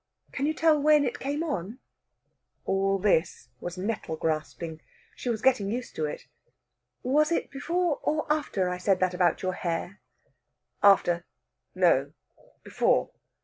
"Can you tell when it came on?" All this was nettle grasping. She was getting used to it. "Was it before or after I said that about your hair?" "After. No, before.